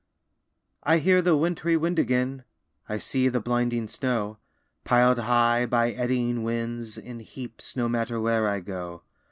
I hear the wintry wind again, I see the blinding snow, Pil'd high, by eddying winds, in heaps, No matter where I go.